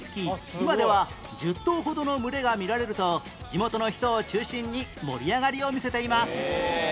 今では１０頭ほどの群れが見られると地元の人を中心に盛り上がりを見せています